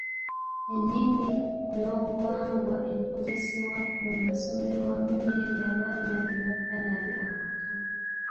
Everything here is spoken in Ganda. Ennimi n’obuwangwa ebikozesebwa mu masomero wamu n’ebyo abaana bye bava nabyo awaka.